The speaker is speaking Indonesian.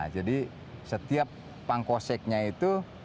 jadi setiap pangkoseknya itu